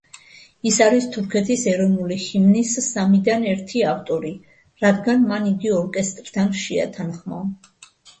ის არის თურქეთის ეროვნული ჰიმნის სამიდან ერთი ავტორი, რადგან მან იგი ორკესტრთან შეათანხმა.